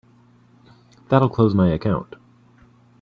That'll close my account.